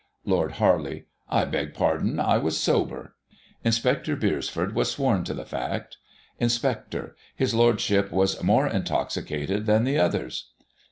Lord Harley: I beg pardon, I was sober. Inspector Beresford was sworn to the fact Inspector: His Lordship was more intoxicated than the others.